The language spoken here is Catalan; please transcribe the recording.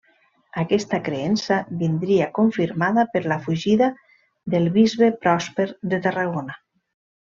Aquesta creença vindria confirmada per la fugida del bisbe Pròsper de Tarragona.